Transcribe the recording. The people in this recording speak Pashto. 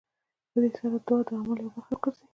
په دې سره دعا د عمل يوه برخه وګرځي.